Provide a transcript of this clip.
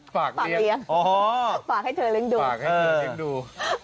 ฝากเลี้ยงฝากให้เธอเลี้ยงดูฝากให้เธอเลี้ยงดู